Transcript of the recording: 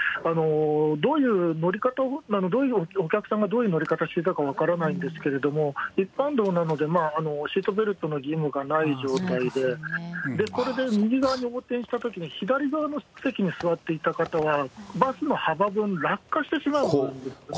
どういう乗り方、どういうお客さんが、どういう乗り方していたか分からないんですけれども、一般道なので、シートベルトの義務がない状態で、これで右側に横転したときに、左側の席に座っていた方は、バスの幅分落下してしまうんですよね。